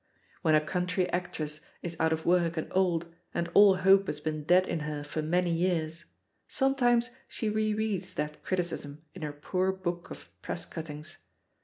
When a country actress is out of work and old, and all hope has been dead in her for many years, sometimes she re reads that criti cism in her poor book of Press cuttings.